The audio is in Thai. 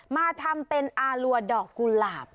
มาทำเป็นอารัวดอกกุหลาบ